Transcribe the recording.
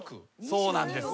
そうなんです。